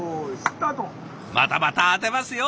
またまた当てますよ。